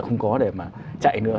chúng ta không có để mà chạy nữa